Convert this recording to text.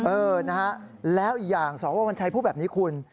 เออนะฮะแล้วอีกอย่างสววัญชัยพูดแบบนี้คุณ